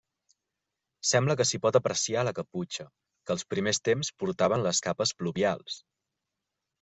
Sembla que s'hi pot apreciar la caputxa, que als primers temps portaven les capes pluvials.